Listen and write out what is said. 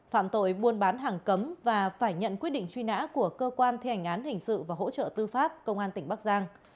phạm tội buôn bán hàng cấm và phải nhận quyết định truy nã của cơ quan thi hành án hình sự và hỗ trợ tư pháp công an tỉnh bắc giang